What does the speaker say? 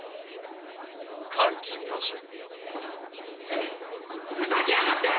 うっふざけやがって！